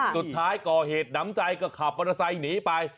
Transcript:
สุดท้ายก่อเหตุน้ำใจก็ขับวันไซส์หนีไป